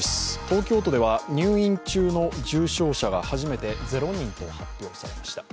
東京都では入院中の重症者が初めてゼロ人と発表されました。